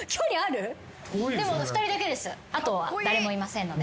あとは誰もいませんので。